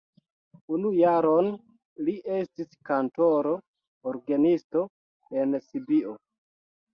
Unu jaron li estis kantoro orgenisto en Sibio.